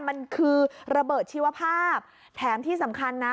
มันคือระเบิดชีวภาพแถมที่สำคัญนะ